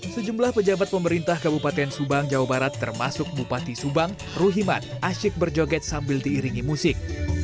sejumlah pejabat pemerintah kabupaten subang jawa barat termasuk bupati subang ruhiman asyik berjoget sambil diiringi musik